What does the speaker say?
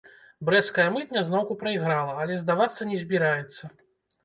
Брэсцкая мытня зноўку прайграла, але здавацца не збіраецца.